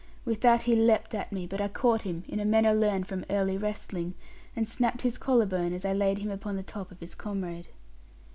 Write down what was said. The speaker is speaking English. With that he leaped at me; but I caught him, in a manner learned from early wrestling, and snapped his collar bone, as I laid him upon the top of his comrade.